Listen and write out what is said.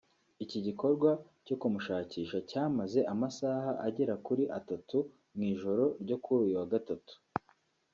Iki gikorwa cyo kumushakisha cyamaze amasaha agera kuri atatu mu ijoro ryo kuri uyu wa Gatatu